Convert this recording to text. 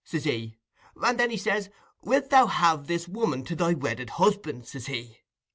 says he, and then he says, "Wilt thou have this woman to thy wedded husband?" says he.